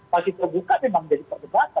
masih terbuka memang jadi perdebatan